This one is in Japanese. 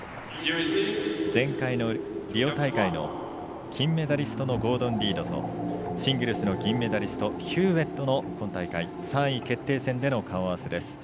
前回のリオ大会の金メダリストのゴードン・リードとシングルスの銀メダリストヒューウェットの今大会３位決定戦での顔合わせです。